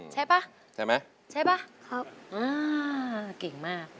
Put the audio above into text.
ใช่ไหมใช่ไหมใช่ไหมครับอ้าวเก่งมาก